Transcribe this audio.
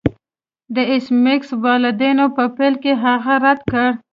د ایس میکس والدینو په پیل کې هغه رد کړ